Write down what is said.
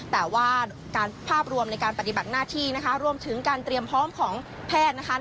แต่ว่าภาพรวมในการปฏิบัติหน้าที่นะคะรวมถึงการเตรียมพร้อมของแพทย์นะคะ